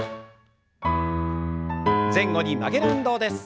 前後に曲げる運動です。